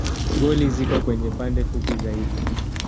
Goli ziko kwenye pande fupi zaidi.